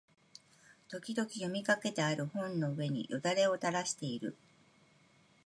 時々読みかけてある本の上に涎をたらしている